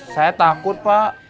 saya takut pak